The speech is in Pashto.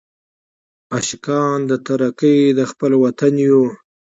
عاشقان د ترقۍ د خپل وطن یو.